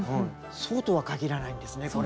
そうとは限らないんですねこれが。